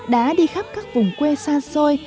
đã đi khắp các vùng quê xa xôi